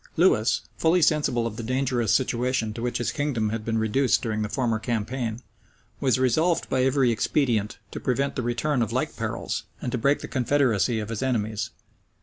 Lewis, fully sensible of the dangerous situation to which his kingdom had been reduced during the former campaign, was resolved, by every expedient, to prevent the return of like perils, and to break the confederacy of his enemies.